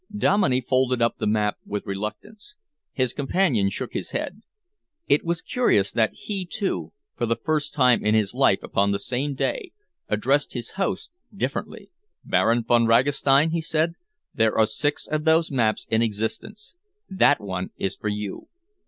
Dominey folded up the map with reluctance. His companion shook his head. It was curious that he, too, for the first time in his life upon the same day, addressed his host differently. "Baron Von Ragastein," he said, "there are six of those maps in existence. That one is for you.